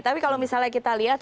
tapi kalau misalnya kita lihat